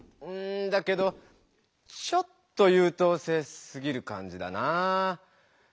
うんだけどちょっとゆうとう生すぎるかんじだなぁ。